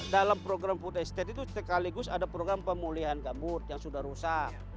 dalam program food estate itu sekaligus ada program pemulihan gambut yang sudah rusak